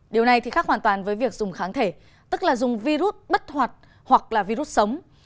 điều này thì khác hoàn toàn với việc dùng kháng thể tức là dùng virus bất hoạt hoặc là virus sống